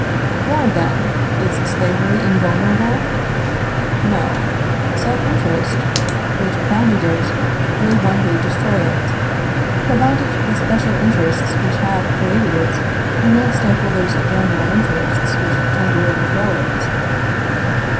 Well, then, is slavery invulnerable? No; self interest, which founded it, will one day destroy it, provided the special interests which have created it do not stifle those general interests which tend to overthrow it.